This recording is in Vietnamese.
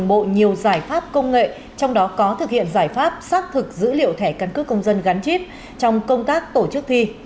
đồng bộ nhiều giải pháp công nghệ trong đó có thực hiện giải pháp xác thực dữ liệu thẻ căn cước công dân gắn chip trong công tác tổ chức thi